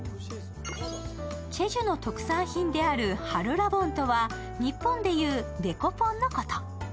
チェジュの特産品であるハルラボンとは日本で言うデコポンのこと。